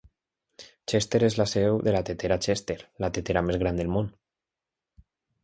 Chester és la seu de la tetera Chester, la tetera més gran del món.